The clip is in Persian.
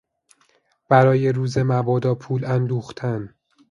برای روز مبادا پول اندوختن